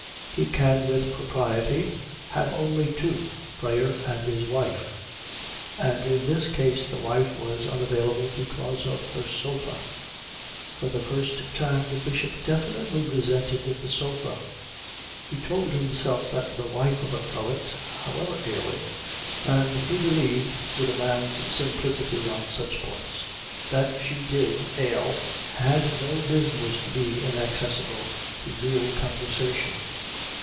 He can with propriety have only two prayer and his wife; and in this case the wife was unavailable because of her sofa. For the first time the Bishop definitely resented the sofa. He told himself that the wife of a prelate, however ailing and he believed with a man's simplicity on such points that she did ail had no business to be inaccessible to real conversation.